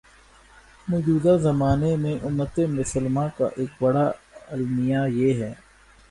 موجودہ زمانے میں امتِ مسلمہ کا ایک بڑا المیہ یہ ہے